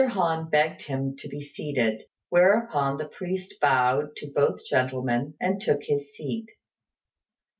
Han begged him to be seated; whereupon the priest bowed to both gentlemen and took his seat.